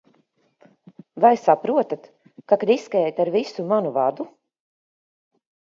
Vai saprotat, ka riskējāt ar visu manu vadu?